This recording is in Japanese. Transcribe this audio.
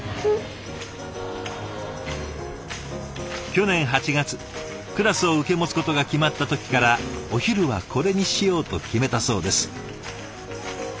去年８月クラスを受け持つことが決まった時からお昼はこれにしようと決めたそうです。